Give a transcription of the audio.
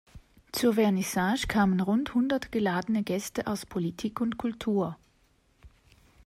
Zur Vernissage kamen rund hundert geladene Gäste aus Politik und Kultur.